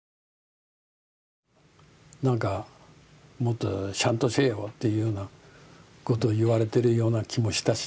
なんかもっとしゃんとせえよっていうようなことを言われてるような気もしたし。